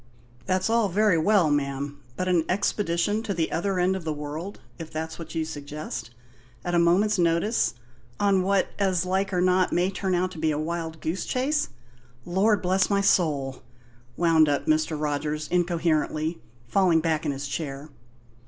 "That's all very well, ma'am, but an expedition to the other end of the world if that's what you suggest? at a moment's notice on what, as like or not, may turn out to be a wild goose chase Lord bless my soul!" wound up Mr. Rogers incoherently, falling back in his chair.